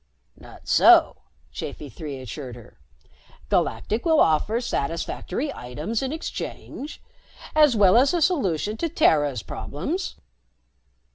"Not so," Chafi Three assured her. "Galactic will offer satisfactory items in exchange, as well as a solution to Terra's problems."